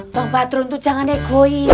bang badrun tuh jangan egoi